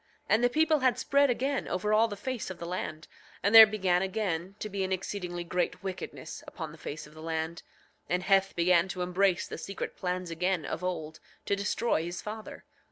9:26 And the people had spread again over all the face of the land, and there began again to be an exceedingly great wickedness upon the face of the land, and Heth began to embrace the secret plans again of old, to destroy his father.